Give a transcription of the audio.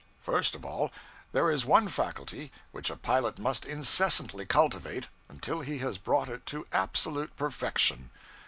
First of all, there is one faculty which a pilot must incessantly cultivate until he has brought it to absolute perfection.